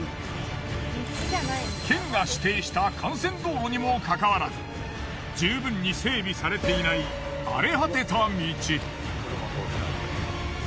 県が指定した幹線道路にもかかわらず十分に整備されていない荒れ果てた道。